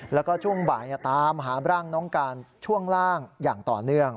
แล้วก็ช่วงบ่ายตามหาร่างน้องการช่วงล่างอย่างต่อเนื่อง